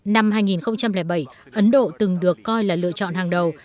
năm hai nghìn bảy ấn độ từng được coi là lựa chọn hàng đầu